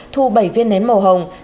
thu bảy viên nến màu hồng